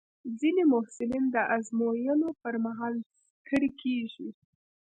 ځینې محصلین د ازموینو پر مهال ستړي کېږي.